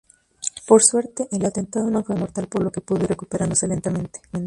Por suerte el atentado no fue mortal por lo que pudo ir recuperándose lentamente.